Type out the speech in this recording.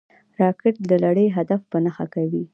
راکټ د لرې هدف په نښه کوي